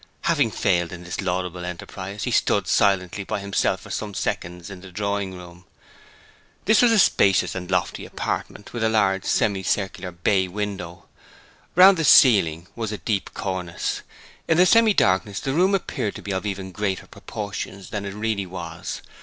Having failed in this laudable enterprise, he stood silently by himself for some seconds in the drawing room. This was a spacious and lofty apartment with a large semicircular bay window. Round the ceiling was a deep cornice. In the semi darkness the room appeared to be of even greater proportions than it really was.